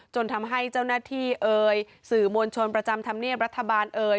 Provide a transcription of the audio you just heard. จนทำให้เจ้าหน้าที่เอ่ยสื่อมวลชนประจำธรรมเนียบรัฐบาลเอ่ย